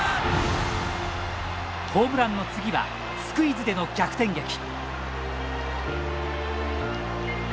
ホームランの次はスクイズでの逆転劇。